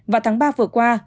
và tháng ba vừa qua